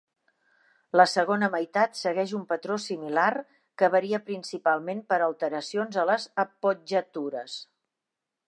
La segona meitat segueix un patró similar, que varia principalment per alteracions a les appoggiatures.